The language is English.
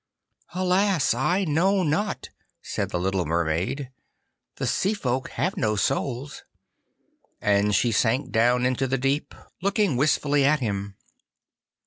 'Alas! I know not,' said the little Mermaid: 'the Sea folk have no souls.' And she sank down into the deep, looking wistfully at him.